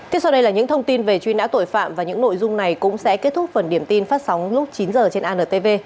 tiếp sau đây là những thông tin về truy nã tội phạm và những nội dung này cũng sẽ kết thúc phần điểm tin phát sóng lúc chín h trên antv